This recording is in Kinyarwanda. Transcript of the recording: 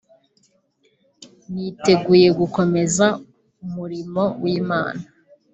niteguye gukomeza umurimo w’Imana